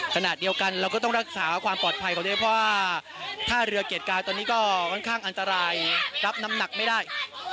ขณะเดียวกันเราก็ต้องรักษาความปลอดภัยเขาด้วยเพราะว่าท่าเรือเกียรติกายตอนนี้ก็ค่อนข้างอันตรายรับน้ำหนักไม่ได้